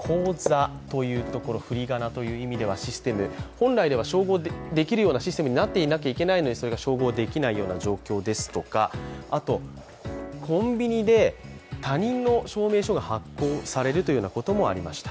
本来であれば照合できるシステムになっていなければいけないのにそれが照合できないような状況ですとかあとコンビニで他人の証明書が発行されるというようなこともありました。